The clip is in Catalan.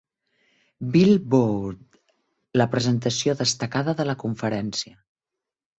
"Billboard" la presentació destacada de la conferència.